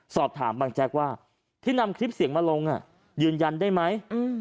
สอบถามบางแจ๊กว่าที่นำคลิปเสียงมาลงยืนยันได้ไหม